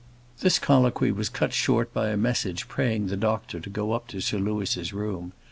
This colloquy was cut short by a message praying the doctor to go up to Sir Louis's room.